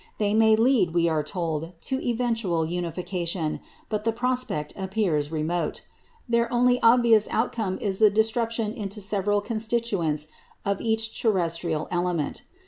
They may lead, we are told, to eventual unification, but the prospect appears remote. Their only obvious outcome is the disruption into several constituents of each terrestrial "element."